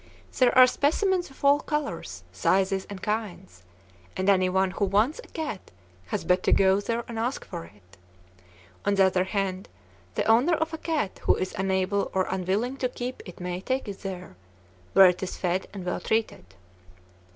There are specimens of all colors, sizes, and kinds, and any one who wants a cat has but to go there and ask for it. On the other hand, the owner of a cat who is unable or unwilling to keep it may take it there, where it is fed and well treated.